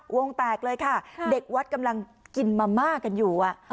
วงแตกเลยค่ะเด็กวัดกำลังกินมะม่ากันอยู่